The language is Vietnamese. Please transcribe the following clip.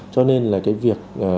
cho nên là cái việc